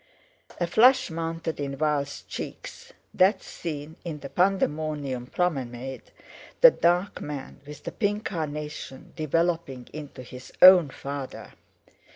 A flush mounted in Val's cheeks—that scene in the Pandemonium promenade—the dark man with the pink carnation developing into his own father!